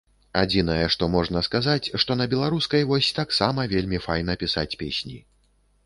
Адзінае, што можна сказаць, што на беларускай вось таксама вельмі файна пісаць песні.